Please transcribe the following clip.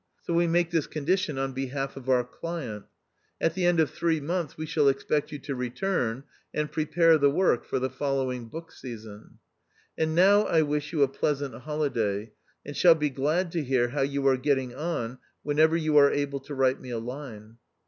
So we make this condition on behalf of the , of our client. At the end of three months we shall expect you to return and prepare the work for the following book season. And now I wish you a pleas ant holiday, and shall be glad to hear how you are getting on whenever you are abie to write me a line."